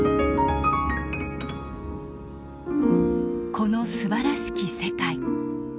「この素晴らしき世界」。